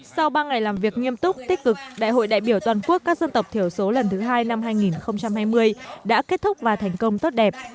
sau ba ngày làm việc nghiêm túc tích cực đại hội đại biểu toàn quốc các dân tộc thiểu số lần thứ hai năm hai nghìn hai mươi đã kết thúc và thành công tốt đẹp